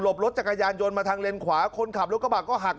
บรถจักรยานยนต์มาทางเลนขวาคนขับรถกระบะก็หัก